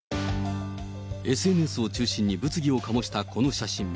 ＳＮＳを中心に物議を醸したこの写真。